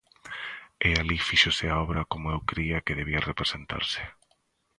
E alí fíxose a obra como eu cría que debía representarse.